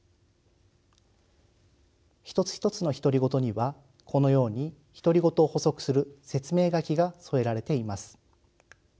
一つ一つの独り言にはこのように独り言を補足する説明書きが添えられています。